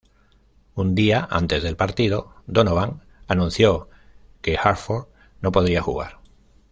Un día antes del partido, Donovan anunció que Horford no podría jugar.